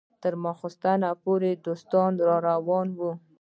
تر ماخستنه پورې دوستان راروان وو.